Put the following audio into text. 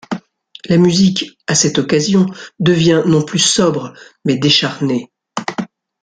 La musique à cette occasion devient non plus sobre, mais décharnée.